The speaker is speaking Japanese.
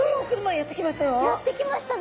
やって来ましたね。